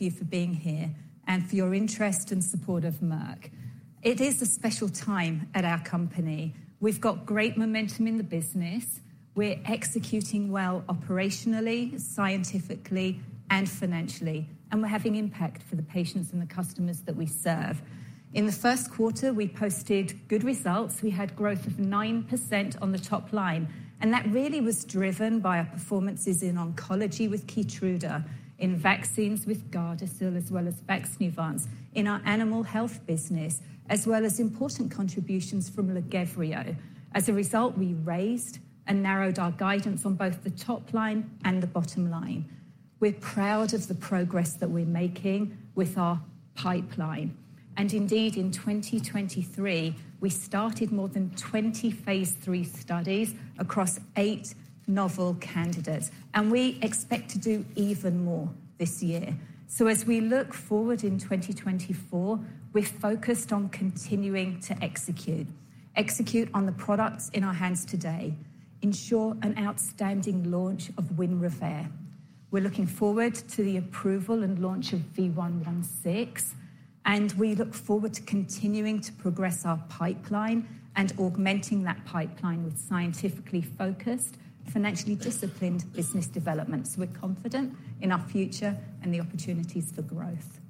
You for being here and for your interest and support of Merck. It is a special time at our company. We've got great momentum in the business. We're executing well operationally, scientifically, and financially, and we're having impact for the patients and the customers that we serve. In the first quarter, we posted good results. We had growth of 9% on the top line, and that really was driven by our performances in oncology with KEYTRUDA, in vaccines with GARDASIL as well as VAXNEUVANCE, in our animal health business, as well as important contributions from LAGEVRIO. As a result, we raised and narrowed our guidance on both the top line and the bottom line. We're proud of the progress that we're making with our pipeline, and indeed, in 2023, we started more than 20 phase III studies across eight novel candidates, and we expect to do even more this year. So as we look forward in 2024, we're focused on continuing to execute. Execute on the products in our hands today, ensure an outstanding launch of WINREVAIR. We're looking forward to the approval and launch of V116, and we look forward to continuing to progress our pipeline and augmenting that pipeline with scientifically focused, financially disciplined business developments. We're confident in our future and the opportunities for growth.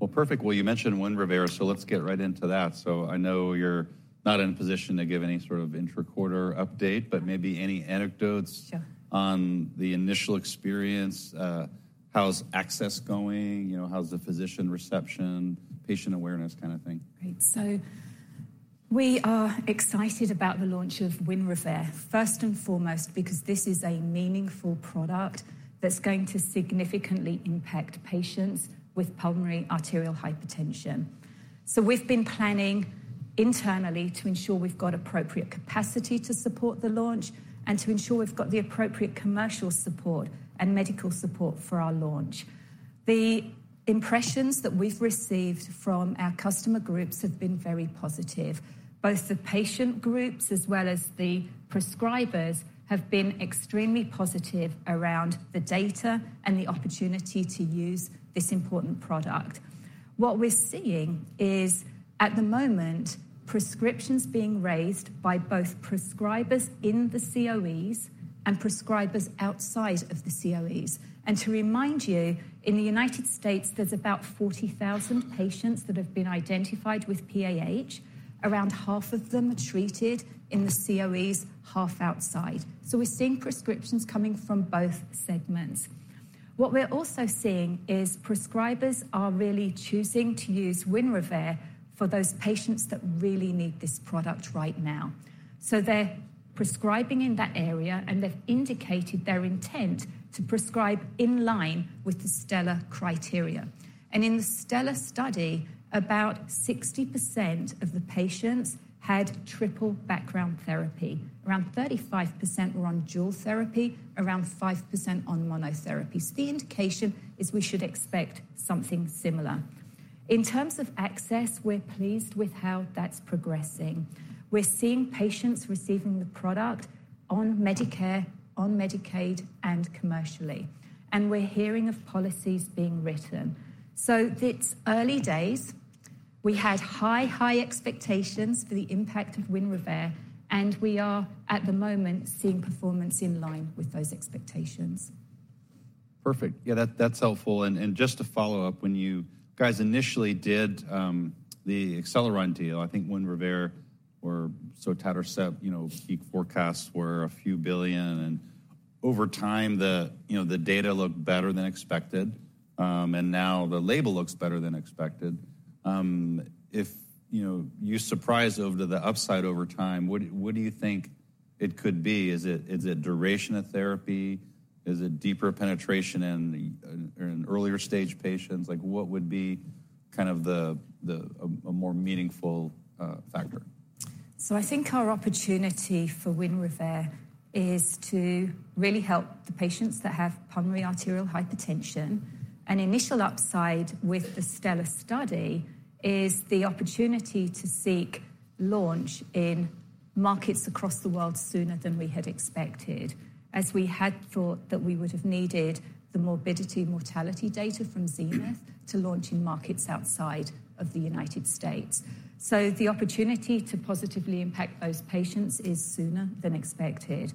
Well, perfect. Well, you mentioned WINREVAIR, so let's get right into that. So I know you're not in a position to give any sort of intra-quarter update, but maybe any anecdotes- Sure. -on the initial experience, how's access going? You know, how's the physician reception, patient awareness kind of thing? Great. So we are excited about the launch of WINREVAIR, first and foremost, because this is a meaningful product that's going to significantly impact patients with pulmonary arterial hypertension. So we've been planning internally to ensure we've got appropriate capacity to support the launch and to ensure we've got the appropriate commercial support and medical support for our launch. The impressions that we've received from our customer groups have been very positive. Both the patient groups as well as the prescribers have been extremely positive around the data and the opportunity to use this important product. What we're seeing is, at the moment, prescriptions being raised by both prescribers in the COEs and prescribers outside of the COEs. And to remind you, in the United States, there's about 40,000 patients that have been identified with PAH. Around half of them are treated in the COEs, half outside. So we're seeing prescriptions coming from both segments. What we're also seeing is prescribers are really choosing to use WINREVAIR for those patients that really need this product right now. So they're prescribing in that area, and they've indicated their intent to prescribe in line with the STELLAR criteria. And in the STELLAR study, about 60% of the patients had triple background therapy. Around 35% were on dual therapy, around 5% on monotherapy. So the indication is we should expect something similar. In terms of access, we're pleased with how that's progressing. We're seeing patients receiving the product on Medicare, on Medicaid, and commercially, and we're hearing of policies being written. So it's early days. We had high, high expectations for the impact of WINREVAIR, and we are, at the moment, seeing performance in line with those expectations. Perfect. Yeah, that, that's helpful. And just to follow up, when you guys initially did the Acceleron deal, I think WINREVAIR or sotatercept, you know, peak forecasts were a few billion, and over time, the, you know, the data looked better than expected, and now the label looks better than expected. If, you know, you surprise over to the upside over time, what do you think it could be? Is it duration of therapy? Is it deeper penetration in earlier stage patients? Like, what would be kind of the, the... a more meaningful factor? I think our opportunity for WINREVAIR is to really help the patients that have pulmonary arterial hypertension. An initial upside with the STELLAR study is the opportunity to seek launch in markets across the world sooner than we had expected, as we had thought that we would have needed the morbidity-mortality data from ZENITH to launch in markets outside of the United States. The opportunity to positively impact those patients is sooner than expected.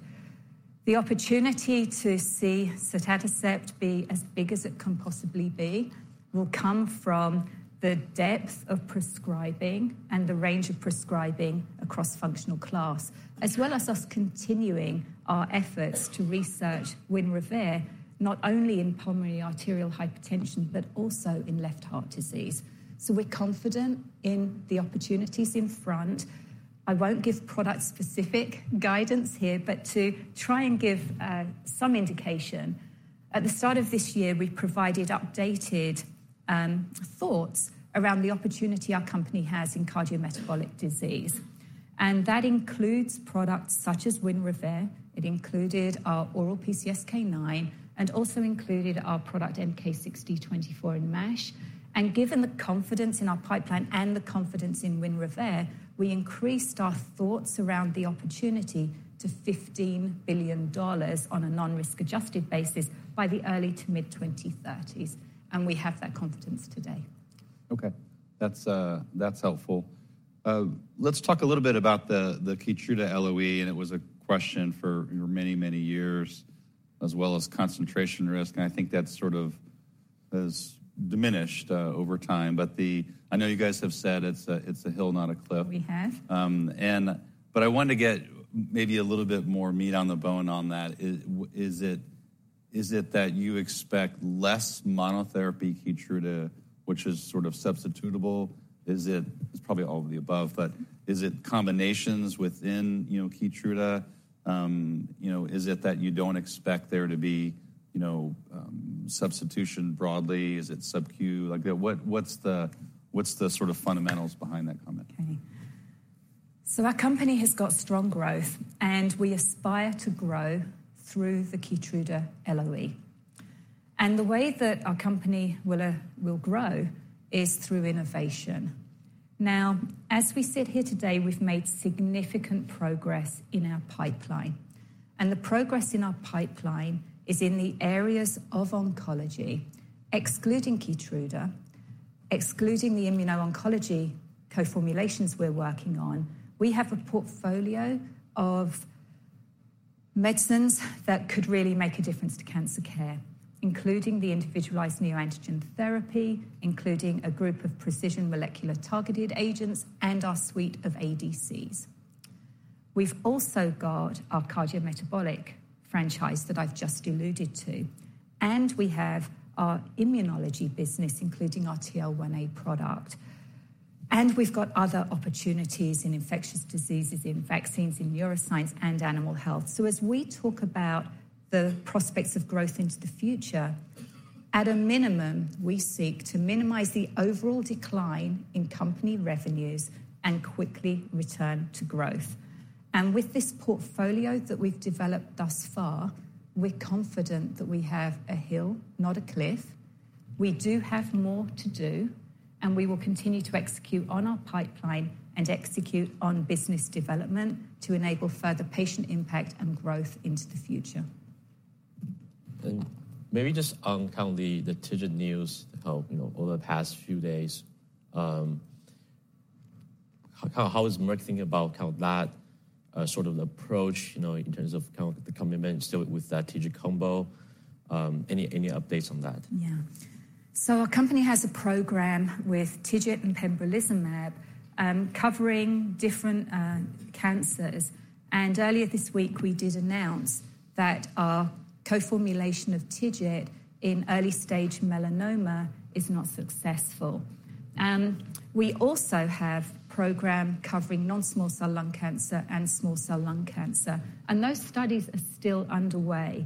The opportunity to see sotatercept be as big as it can possibly be will come from the depth of prescribing and the range of prescribing across functional class, as well as us continuing our efforts to research WINREVAIR, not only in pulmonary arterial hypertension, but also in left heart disease. We're confident in the opportunities in front. I won't give product-specific guidance here, but to try and give some indication, at the start of this year, we provided updated thoughts around the opportunity our company has in cardiometabolic disease, and that includes products such as WINREVAIR. It included our oral PCSK9, and also included our product MK-6024 in MASH. Given the confidence in our pipeline and the confidence in WINREVAIR, we increased our thoughts around the opportunity to $15 billion on a non-risk adjusted basis by the early to mid-2030s, and we have that confidence today. Okay, that's, that's helpful. Let's talk a little bit about the KEYTRUDA LOE, and it was a question for many, many years, as well as concentration risk, and I think that sort of has diminished over time. But the, I know you guys have said it's a, it's a hill, not a cliff. We have. But I wanted to get maybe a little bit more meat on the bone on that. Is, is it that you expect less monotherapy KEYTRUDA, which is sort of substitutable? Is it... It's probably all of the above, but is it combinations within, you know, KEYTRUDA? You know, is it that you don't expect there to be, you know, substitution broadly? Is it sub-Q? Like, what's the sort of fundamentals behind that comment? Okay. So our company has got strong growth, and we aspire to grow through the KEYTRUDA LOE. And the way that our company will grow is through innovation. Now, as we sit here today, we've made significant progress in our pipeline, and the progress in our pipeline is in the areas of oncology. Excluding KEYTRUDA, excluding the immuno-oncology co-formulations we're working on, we have a portfolio of medicines that could really make a difference to cancer care, including the individualized neoantigen therapy, including a group of precision molecular-targeted agents, and our suite of ADCs. We've also got our cardiometabolic franchise that I've just alluded to, and we have our immunology business, including our TL1A product. And we've got other opportunities in infectious diseases, in vaccines, in neuroscience, and animal health. As we talk about the prospects of growth into the future, at a minimum, we seek to minimize the overall decline in company revenues and quickly return to growth. With this portfolio that we've developed thus far, we're confident that we have a hill, not a cliff. We do have more to do, and we will continue to execute on our pipeline and execute on business development to enable further patient impact and growth into the future. And maybe just on kind of the TIGIT news, how, you know, over the past few days, how is Merck thinking about kind of that, sort of approach, you know, in terms of kind of the commitment still with that TIGIT combo? Any updates on that? Yeah. So our company has a program with TIGIT and pembrolizumab, covering different cancers. Earlier this week, we did announce that our co-formulation of TIGIT in early-stage melanoma is not successful. We also have program covering non-small cell lung cancer and small cell lung cancer, and those studies are still underway.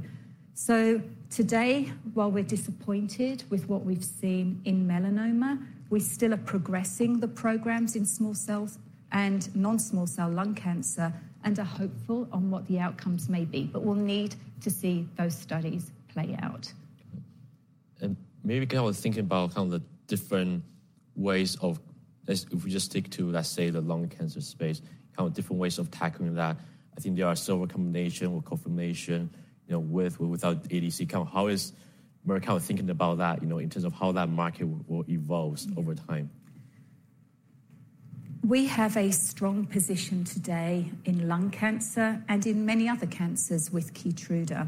Today, while we're disappointed with what we've seen in melanoma, we still are progressing the programs in small cell and non-small cell lung cancer and are hopeful on what the outcomes may be, but we'll need to see those studies play out. Maybe kind of thinking about kind of the different ways of... If, if we just stick to, let's say, the lung cancer space, kind of different ways of tackling that. I think there are several combination or co-formulation, you know, with or without ADC. Kind of how is Merck kind of thinking about that, you know, in terms of how that market will evolve over time? We have a strong position today in lung cancer and in many other cancers with KEYTRUDA.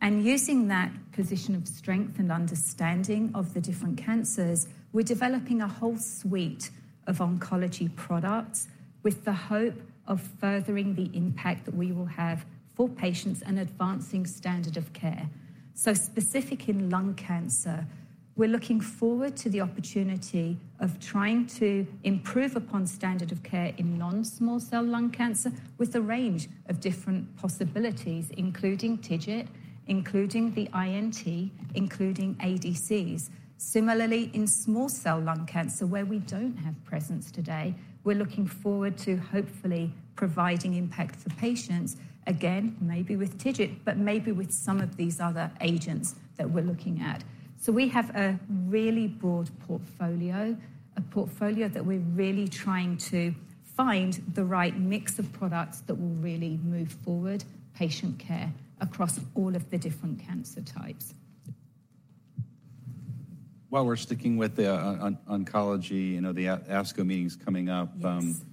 And using that position of strength and understanding of the different cancers, we're developing a whole suite of oncology products with the hope of furthering the impact that we will have for patients and advancing standard of care. So specific in lung cancer, we're looking forward to the opportunity of trying to improve upon standard of care in non-small cell lung cancer with a range of different possibilities, including TIGIT, including the INT, including ADCs. Similarly, in small cell lung cancer, where we don't have presence today, we're looking forward to hopefully providing impact for patients, again, maybe with TIGIT, but maybe with some of these other agents that we're looking at. We have a really broad portfolio, a portfolio that we're really trying to find the right mix of products that will really move forward patient care across all of the different cancer types. While we're sticking with the oncology, you know, the ASCO meeting is coming up. Yes.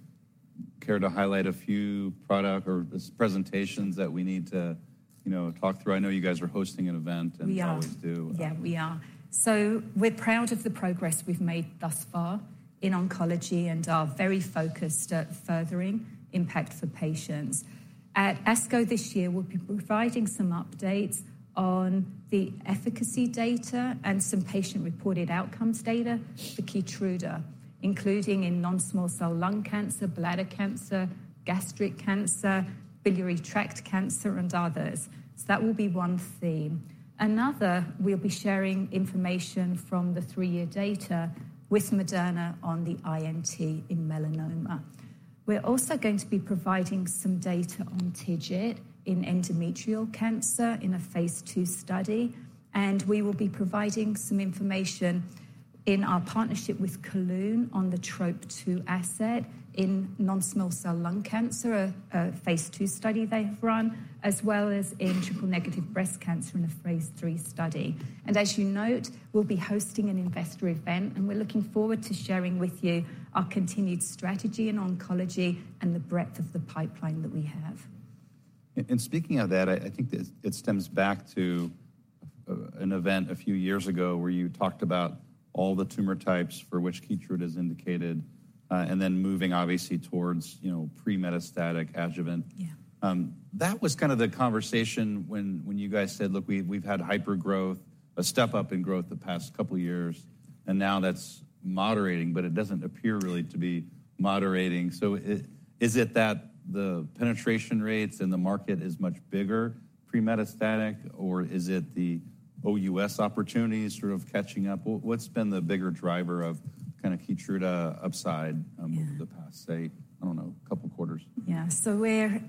Care to highlight a few product or presentations that we need to, you know, talk through? I know you guys are hosting an event. We are as you always do. Yeah, we are. So we're proud of the progress we've made thus far in oncology and are very focused at furthering impact for patients. At ASCO this year, we'll be providing some updates on the efficacy data and some patient-reported outcomes data for KEYTRUDA, including in non-small cell lung cancer, bladder cancer, gastric cancer, biliary tract cancer, and others. So that will be one theme. Another, we'll be sharing information from the three-year data with Moderna on the INT in melanoma. We're also going to be providing some data on TIGIT in endometrial cancer in a phase II study, and we will be providing some information on in our partnership with Kelun on the TROP2 asset in non-small cell lung cancer, a phase II study they have run, as well as in triple negative breast cancer in a phase III study. As you note, we'll be hosting an investor event, and we're looking forward to sharing with you our continued strategy in oncology and the breadth of the pipeline that we have. Speaking of that, I think it stems back to an event a few years ago where you talked about all the tumor types for which KEYTRUDA is indicated, and then moving obviously towards, you know, pre-metastatic adjuvant. Yeah. That was kind of the conversation when you guys said, "Look, we've had hypergrowth, a step up in growth the past couple of years, and now that's moderating," but it doesn't appear really to be moderating. So is it that the penetration rates in the market is much bigger, pre-metastatic, or is it the OUS opportunity sort of catching up? What's been the bigger driver of kind of KEYTRUDA upside? Yeah Over the past, say, I don't know, couple quarters? Yeah. So we're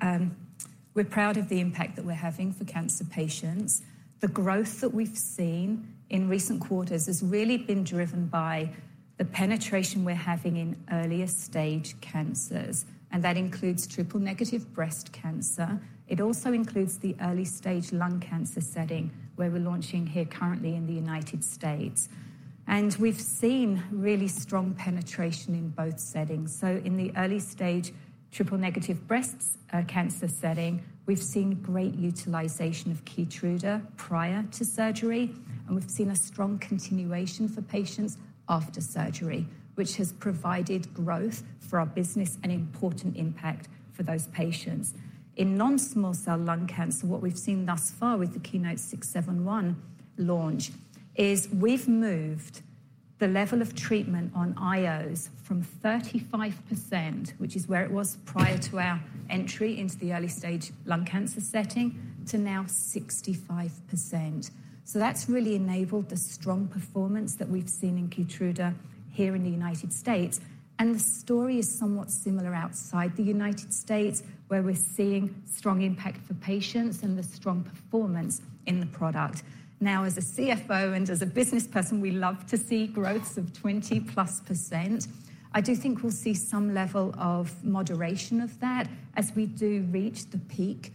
proud of the impact that we're having for cancer patients. The growth that we've seen in recent quarters has really been driven by the penetration we're having in earlier stage cancers, and that includes triple-negative breast cancer. It also includes the early-stage lung cancer setting, where we're launching here currently in the United States. And we've seen really strong penetration in both settings. So in the early stage, triple-negative breast cancer setting, we've seen great utilization of KEYTRUDA prior to surgery, and we've seen a strong continuation for patients after surgery, which has provided growth for our business and important impact for those patients. In non-small cell lung cancer, what we've seen thus far with the KEYNOTE-671 launch is we've moved the level of treatment on IOs from 35%, which is where it was prior to our entry into the early stage lung cancer setting, to now 65%. So that's really enabled the strong performance that we've seen in KEYTRUDA here in the United States, and the story is somewhat similar outside the United States, where we're seeing strong impact for patients and the strong performance in the product. Now, as a CFO and as a business person, we love to see growths of 20%+. I do think we'll see some level of moderation of that as we do reach the peak,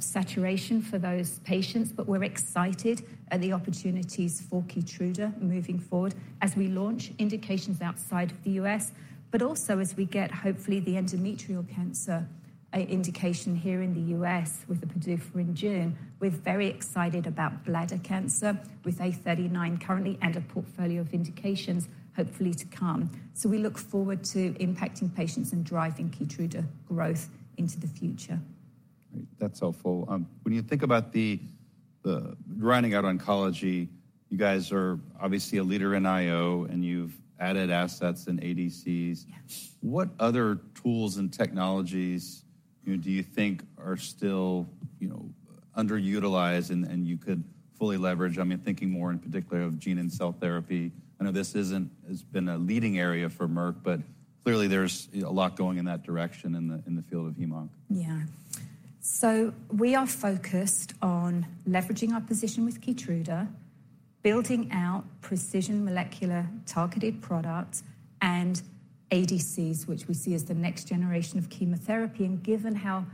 saturation for those patients, but we're excited at the opportunities for KEYTRUDA moving forward as we launch indications outside of the US, but also as we get, hopefully, the endometrial cancer, indication here in the US with approved in June. We're very excited about bladder cancer with A39 currently and a portfolio of indications hopefully to come. So we look forward to impacting patients and driving KEYTRUDA growth into the future. Great. That's helpful. When you think about the rounding out oncology, you guys are obviously a leader in IO, and you've added assets in ADCs. Yeah. What other tools and technologies, you know, do you think are still, you know, underutilized and, and you could fully leverage? I mean, thinking more in particular of gene and cell therapy. I know this isn't, has been a leading area for Merck, but clearly there's a lot going in that direction in the, in the field of hem-onc. Yeah. So we are focused on leveraging our position with KEYTRUDA, building out precision molecular targeted products and ADCs, which we see as the next generation of chemotherapy. And given how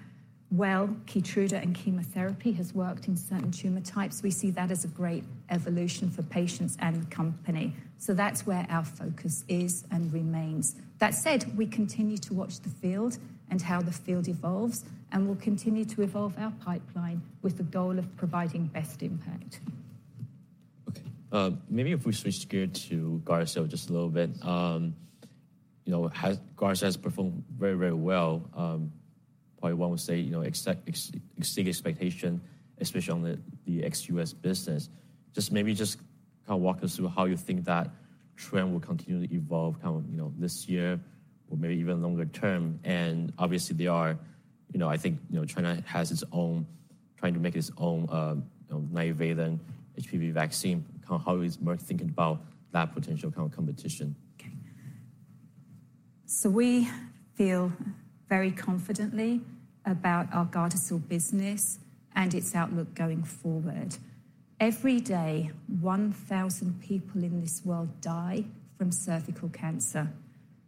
well KEYTRUDA and chemotherapy has worked in certain tumor types, we see that as a great evolution for patients and company. So that's where our focus is and remains. That said, we continue to watch the field and how the field evolves, and we'll continue to evolve our pipeline with the goal of providing best impact. Okay, maybe if we switch gear to GARDASIL just a little bit. You know, GARDASIL has performed very, very well, probably one would say, you know, exceed expectation, especially on the ex-US business. Just maybe just kind of walk us through how you think that trend will continue to evolve kind of, you know, this year or maybe even longer term. And obviously, they are... You know, I think, you know, China has its own, trying to make its own, you know, nine-valent HPV vaccine. Kind of how is Merck thinking about that potential kind of competition? Okay. So we feel very confidently about our GARDASIL business and its outlook going forward. Every day, 1,000 people in this world die from cervical cancer.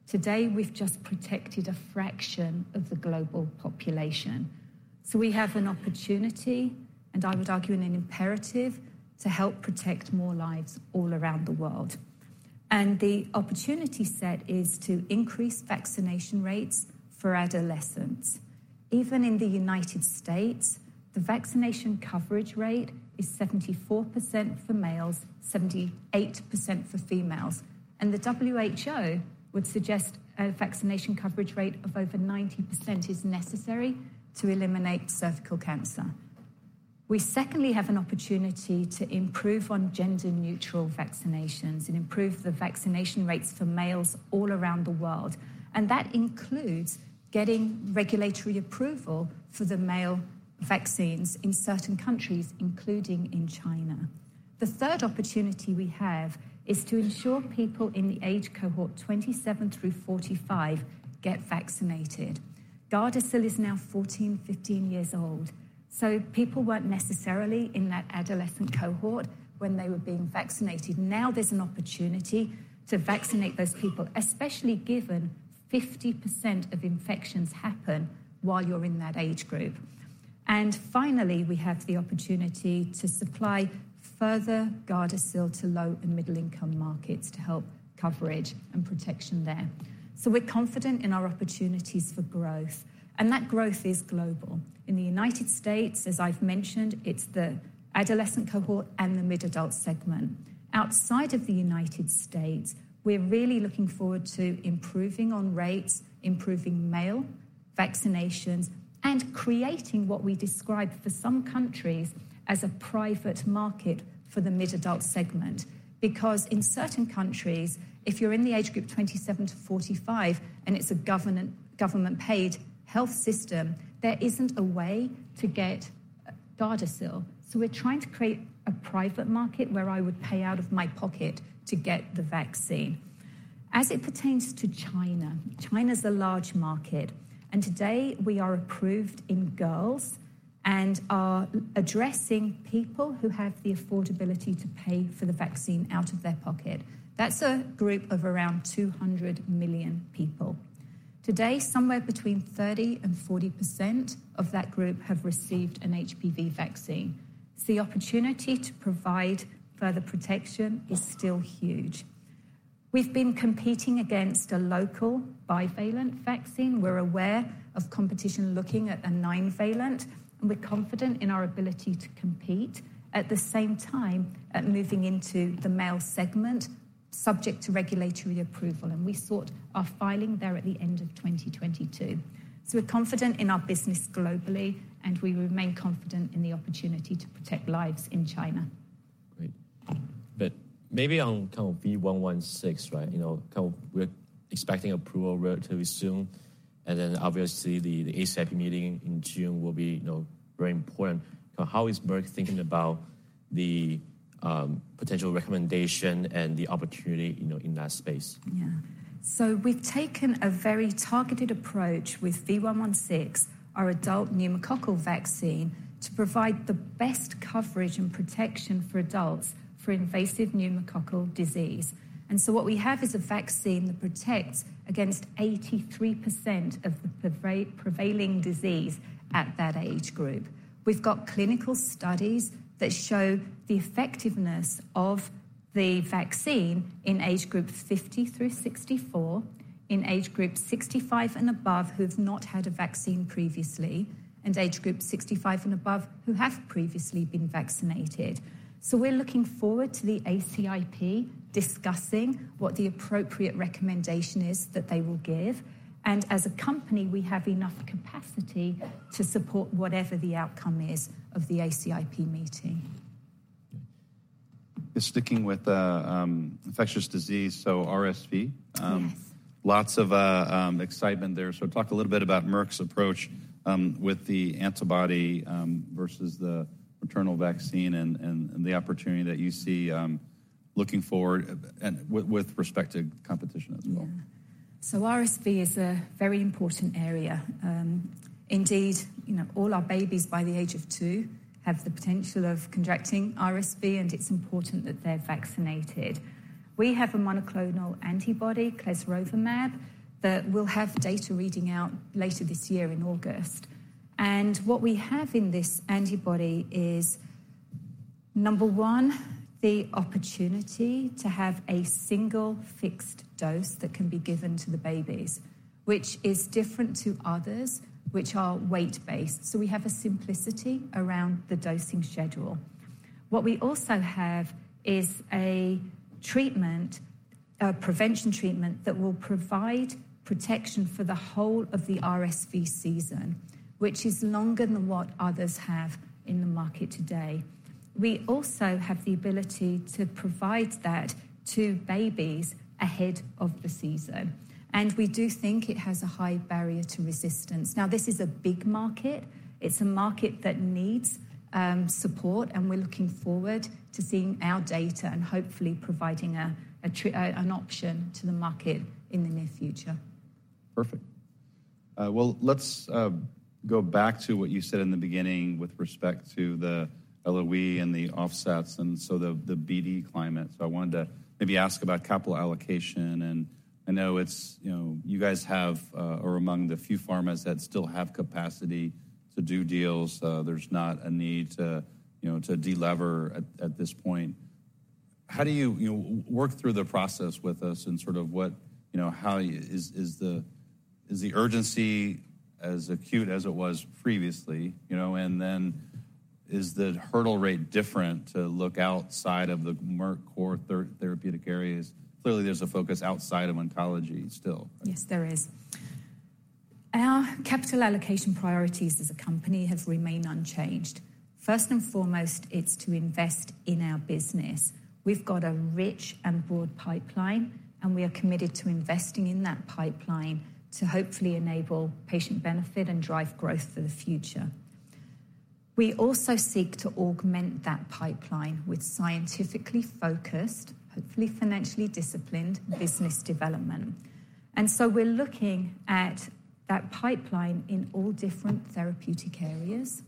Today, we've just protected a fraction of the global population. So we have an opportunity, and I would argue in an imperative, to help protect more lives all around the world. And the opportunity set is to increase vaccination rates for adolescents. Even in the United States, the vaccination coverage rate is 74% for males, 78% for females, and the WHO would suggest a vaccination coverage rate of over 90% is necessary to eliminate cervical cancer. We secondly have an opportunity to improve on gender-neutral vaccinations and improve the vaccination rates for males all around the world, and that includes getting regulatory approval for the male vaccines in certain countries, including in China. The third opportunity we have is to ensure people in the age cohort 27 through 45 get vaccinated. GARDASIL is now 14, 15 years old, so people weren't necessarily in that adolescent cohort when they were being vaccinated. Now there's an opportunity to vaccinate those people, especially given 50% of infections happen while you're in that age group. And finally, we have the opportunity to supply further GARDASIL to low and middle-income markets to help coverage and protection there. So we're confident in our opportunities for growth, and that growth is global. In the United States, as I've mentioned, it's the adolescent cohort and the mid-adult segment. Outside of the United States, we're really looking forward to improving on rates, improving male vaccinations, and creating what we describe for some countries as a private market for the mid-adult segment. Because in certain countries, if you're in the age group 27-45, and it's a government-paid health system, there isn't a way to get GARDASIL. So we're trying to create a private market where I would pay out of my pocket to get the vaccine. As it pertains to China, China's a large market, and today we are approved in girls and are addressing people who have the affordability to pay for the vaccine out of their pocket. That's a group of around 200 million people. Today, somewhere between 30%-40% of that group have received an HPV vaccine. So the opportunity to provide further protection is still huge. We've been competing against a local bivalent vaccine. We're aware of competition looking at a nine-valent, and we're confident in our ability to compete. At the same time, at moving into the male segment, subject to regulatory approval, and we sought our filing there at the end of 2022. So we're confident in our business globally, and we remain confident in the opportunity to protect lives in China. Great. But maybe on kind of V116, right? You know, kind of we're expecting approval relatively soon, and then obviously, the ACIP meeting in June will be, you know, very important. So how is Merck thinking about the potential recommendation and the opportunity, you know, in that space? Yeah. So we've taken a very targeted approach with V116, our adult pneumococcal vaccine, to provide the best coverage and protection for adults for invasive pneumococcal disease. And so what we have is a vaccine that protects against 83% of the prevailing disease at that age group. We've got clinical studies that show the effectiveness of the vaccine in age group 50 through 64, in age group 65 and above, who've not had a vaccine previously, and age group 65 and above, who have previously been vaccinated. So we're looking forward to the ACIP discussing what the appropriate recommendation is that they will give. And as a company, we have enough capacity to support whatever the outcome is of the ACIP meeting. Just sticking with infectious disease, so RSV. Yes. Lots of excitement there. So talk a little bit about Merck's approach with the antibody versus the maternal vaccine and the opportunity that you see looking forward and with respect to competition as well. Yeah. So RSV is a very important area. Indeed, you know, all our babies by the age of two have the potential of contracting RSV, and it's important that they're vaccinated. We have a monoclonal antibody, clesrovimab, that will have data reading out later this year in August. And what we have in this antibody is, number one, the opportunity to have a single fixed dose that can be given to the babies, which is different to others, which are weight-based. So we have a simplicity around the dosing schedule. What we also have is a treatment, a prevention treatment, that will provide protection for the whole of the RSV season, which is longer than what others have in the market today. We also have the ability to provide that to babies ahead of the season, and we do think it has a high barrier to resistance. Now, this is a big market. It's a market that needs support, and we're looking forward to seeing our data and hopefully providing an option to the market in the near future. Perfect. Well, let's go back to what you said in the beginning with respect to the LOE and the offsets, and so the BD climate. So I wanted to maybe ask about capital allocation, and I know it's, you know, you guys have... are among the few pharmas that still have capacity to do deals. There's not a need to, you know, to delever at this point. How do you, you know, work through the process with us and sort of what, you know, how... Is the urgency as acute as it was previously? You know, and then is the hurdle rate different to look outside of the Merck core therapeutic areas? Clearly, there's a focus outside of oncology still. Yes, there is. Our capital allocation priorities as a company have remained unchanged. First and foremost, it's to invest in our business. We've got a rich and broad pipeline, and we are committed to investing in that pipeline to hopefully enable patient benefit and drive growth for the future. We also seek to augment that pipeline with scientifically focused, hopefully financially disciplined business development. And so we're looking at that pipeline in all different therapeutic areas.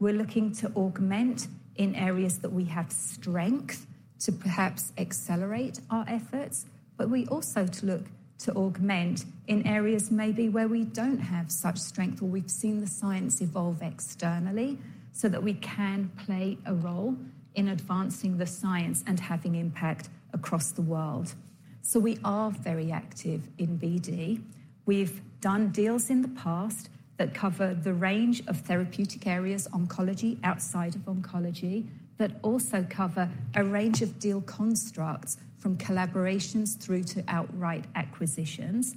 We're looking to augment in areas that we have strength to perhaps accelerate our efforts, but we also to look to augment in areas maybe where we don't have such strength or we've seen the science evolve externally, so that we can play a role in advancing the science and having impact across the world. So we are very active in BD. We've done deals in the past that cover the range of therapeutic areas, oncology, outside of oncology, that also cover a range of deal constructs from collaborations through to outright acquisitions.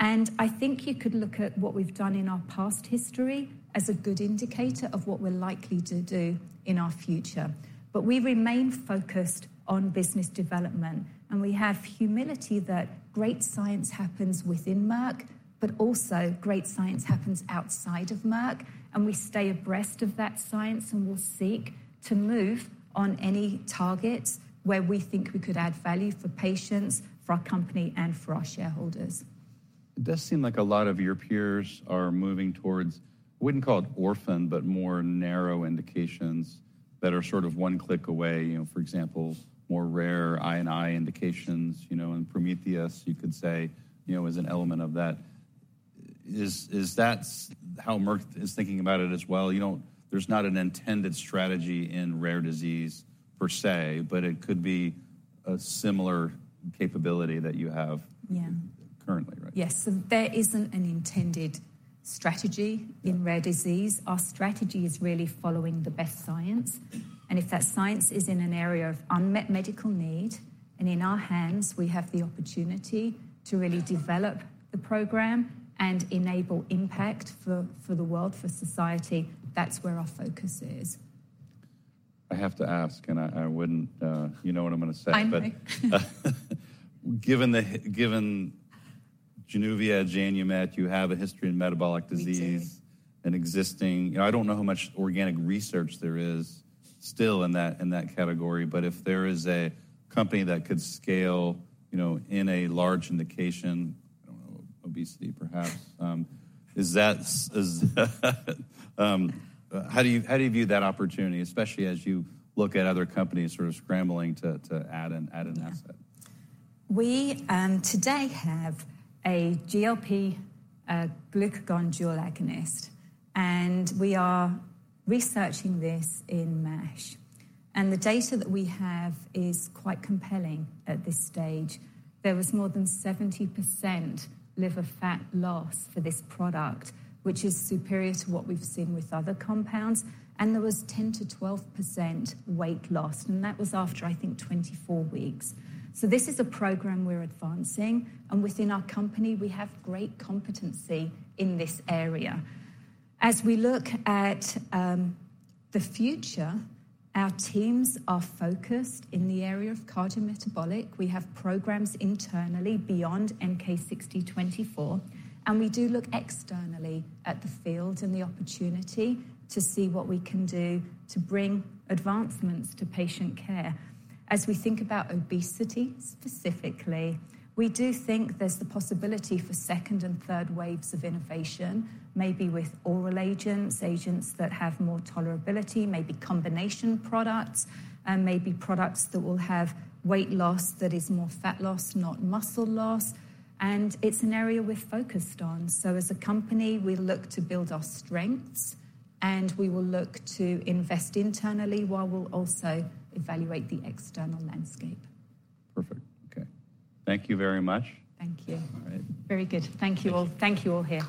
I think you could look at what we've done in our past history as a good indicator of what we're likely to do in our future. We remain focused on business development, and we have humility that great science happens within Merck, and also great science happens outside of Merck, and we stay abreast of that science, and we'll seek to move on any targets where we think we could add value for patients, for our company, and for our shareholders. It does seem like a lot of your peers are moving towards, I wouldn't call it orphan, but more narrow indications that are sort of one click away. You know, for example, more rare I&I indications, you know, and Prometheus, you could say, you know, is an element of that. Is, is that how Merck is thinking about it as well? You know, there's not an intended strategy in rare disease per se, but it could be a similar capability that you have- Yeah. Currently, right? Yes. So there isn't an intended strategy- Yeah in rare disease. Our strategy is really following the best science, and if that science is in an area of unmet medical need and in our hands, we have the opportunity to really develop the program and enable impact for the world, for society, that's where our focus is. I have to ask, and I wouldn't... You know what I'm going to say? I know. Given JANUVIA, JANUMET, you have a history of metabolic disease- We do. You know, I don't know how much organic research there is still in that, in that category, but if there is a company that could scale, you know, in a large indication, I don't know, obesity perhaps, is that, is, how do you, how do you view that opportunity, especially as you look at other companies sort of scrambling to, to add an, add an asset? We today have a GLP, a glucagon dual agonist, and we are researching this in MASH. The data that we have is quite compelling at this stage. There was more than 70% liver fat loss for this product, which is superior to what we've seen with other compounds, and there was 10%-12% weight loss, and that was after, I think, 24 weeks. This is a program we're advancing, and within our company, we have great competency in this area. As we look at the future, our teams are focused in the area of cardiometabolic. We have programs internally beyond MK-6024, and we do look externally at the field and the opportunity to see what we can do to bring advancements to patient care. As we think about obesity, specifically, we do think there's the possibility for second and third waves of innovation, maybe with oral agents, agents that have more tolerability, maybe combination products, and maybe products that will have weight loss that is more fat loss, not muscle loss. It's an area we're focused on. As a company, we look to build our strengths, and we will look to invest internally, while we'll also evaluate the external landscape. Perfect. Okay. Thank you very much. Thank you. All right. Very good. Thank you all. Thank you all here.